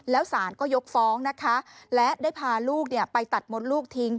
แล้วสารก็ยกฟ้องนะคะและได้พาลูกไปตัดมดลูกทิ้ง